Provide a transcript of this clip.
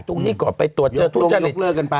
ตรงนี้ก่อนไปตรวจเจอทุนเจริตยุกตรงยุกเลิกกันไป